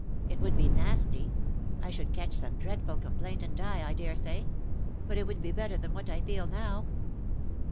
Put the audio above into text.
It would be nasty; I should catch some dreadful complaint, and die, I daresay; but it would be better than what I feel now.''